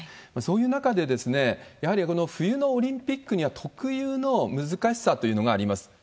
そういう中で、やはりこの冬のオリンピックには特有の難しさというのがあります。